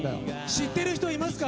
知ってる人いますか？